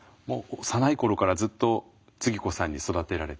幼い頃からずっとつぎ子さんに育てられて。